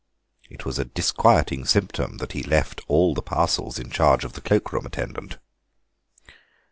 It was a disquieting symptom that he left all the parcels in charge of the cloak room attendant.